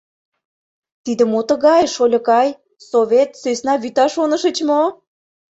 — Тиде мо тыгай, шольыкай, Совет — сӧсна вӱта шонышыч мо?